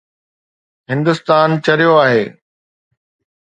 هندستان چريو آهي